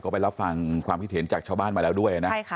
ก็ไปรับฟังความคิดเห็นจากชาวบ้านมาแล้วด้วยนะ